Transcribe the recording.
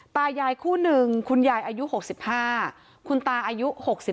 ตายายคู่หนึ่งคุณยายอายุ๖๕คุณตาอายุ๖๒